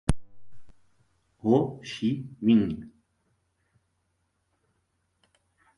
Ho Chi Minh